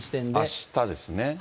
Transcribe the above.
あしたですね。